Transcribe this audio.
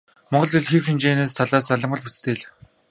Монгол хэл хэв шинжийнхээ талаас залгамал бүтэцтэй хэл.